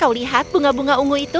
atau lihat bunga bunga ungu itu